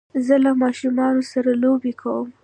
زه له ماشومانو سره لوبی کوم